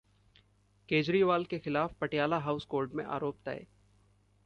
केजरीवाल के खिलाफ Patiala House Court में आरोप तय